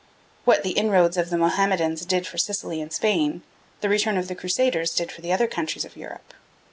What the inroads of the Mohammedans did for Sicily and Spain, the return of the Crusaders did for the other countries of Europe.